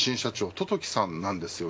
十時さんなんです。